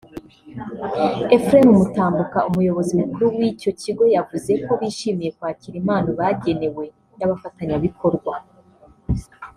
Ephrem Mutambuka umuyobozi mukuru w’icyo kigo yavuze ko bishimiye kwakira impano bagenewe n’abafatanyabikorwa